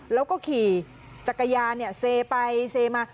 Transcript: แล้วก็ขี่จักรยานเนี่ยเซไปเซมา